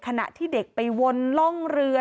ขณะที่เด็กไปวนร่องเรือ